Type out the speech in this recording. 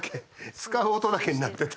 使う音だけになってた。